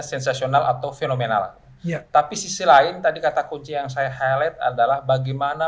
sensasional atau fenomenal ya tapi sisi lain tadi kata kunci yang saya highlight adalah bagaimana